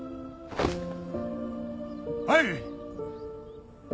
はい！